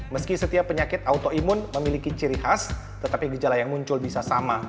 meski setiap penyakit autoimun memiliki ciri khas tetapi gejala yang muncul bisa sama